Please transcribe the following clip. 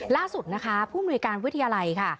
ล่าสุดนะคะผู้มนุยการวิทยาลัยค่ะ